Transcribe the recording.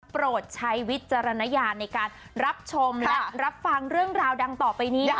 โปรดใช้วิจารณญาณในการรับชมและรับฟังเรื่องราวดังต่อไปนี้นะคะ